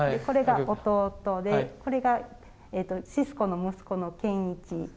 これが弟でこれがシスコの息子の賢一。